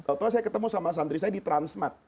atau saya ketemu sama sandri saya di transmat